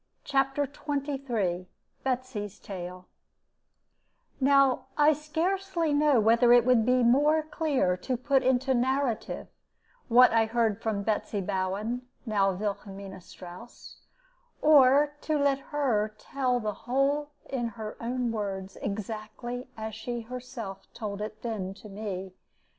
CHAPTER XXIII BETSY'S TALE Now I scarcely know whether it would be more clear to put into narrative what I heard from Betsy Bowen, now Wilhelmina Strouss, or to let her tell the whole in her own words, exactly as she herself told it then to me.